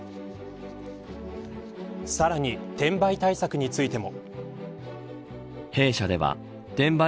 さらに転売対策についても。